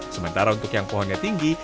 sementara untuk yang pohonnya tinggi